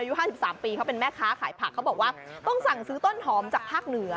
๕๓ปีเขาเป็นแม่ค้าขายผักเขาบอกว่าต้องสั่งซื้อต้นหอมจากภาคเหนือ